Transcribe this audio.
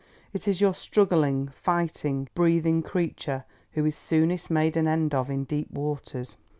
It is your struggling, fighting, breathing creature who is soonest made an end of in deep waters.